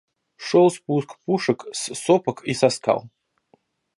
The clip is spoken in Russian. Шёл спуск пушек с сопок и со скал.